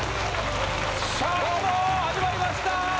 始まりました！